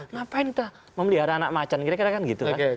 ngapain kita memelihara anak macan kira kira kan gitu kan